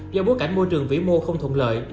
do bối cảnh môi trường vĩ mô không thuận lợi